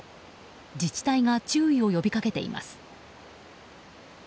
自治体が注意を呼びかけています。